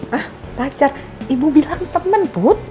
hah pacar ibu bilang temen put